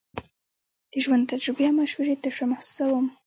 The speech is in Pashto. د ژوند تجربې او مشورې تشه محسوسوم.